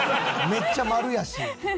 めっちゃ円やし。